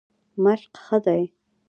مشق ښه دی.